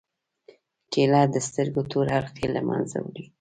کېله د سترګو تور حلقې له منځه وړي.